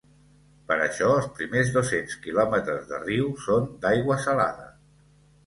Per això els primers dos-cents quilòmetres de riu són d'aigua salada.